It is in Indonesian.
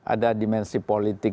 ada dimensi politik